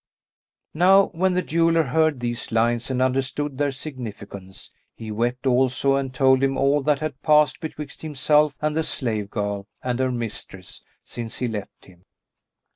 Now when the jeweller heard these lines and understood their significance, he wept also and told him all that had passed betwixt himself and the slave girl and her mistress since he left him.